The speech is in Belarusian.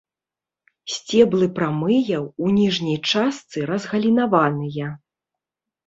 Сцеблы прамыя, у ніжняй частцы разгалінаваныя.